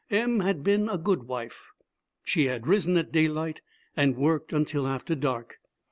Em had been a good wife; she had risen at daylight and worked until after dark.